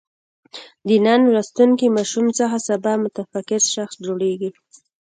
د نن لوستونکی ماشوم څخه سبا متفکر شخص جوړېږي.